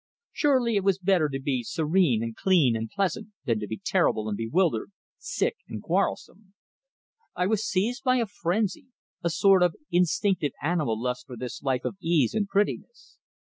Surely it was better to be serene and clean and pleasant, than to be terrible and bewildered, sick and quarrelsome! I was seized by a frenzy, a sort of instinctive animal lust for this life of ease and prettiness.